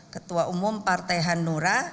ketua umum partai hanura